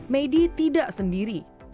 medi tidak sendiri